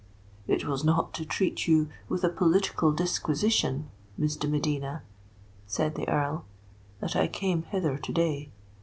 "It was not to treat you with a political disquisition, Miss de Medina," said the Earl, "that I came hither to day.